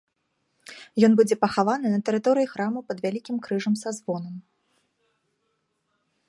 Ён будзе пахаваны на тэрыторыі храму пад вялікім крыжам са звонам.